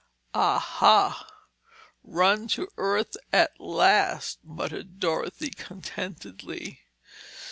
"Aha! Run to earth at last!" muttered Dorothy contentedly.